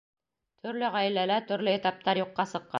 Төрлө ғаиләлә төрлө этаптар юҡҡа сыҡҡан.